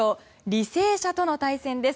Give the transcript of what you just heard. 履正社との対戦です。